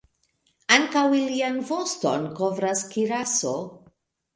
Ankaŭ ilian voston kovras kiraso.